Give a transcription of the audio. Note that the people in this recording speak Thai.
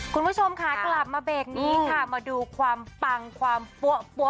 คุณผู้ชมค่ะกลับมาเบรกนี้ค่ะมาดูความปังความปั้ว